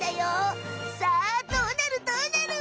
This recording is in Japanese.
さあどうなるどうなる！？